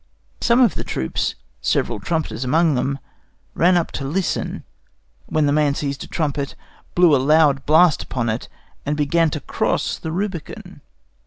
Some of the troops, several trumpeters among them, ran up to listen, when the man seized a trumpet, blew a loud blast upon it, and began to cross the Rubicon.